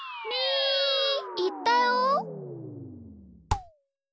ーいったよ！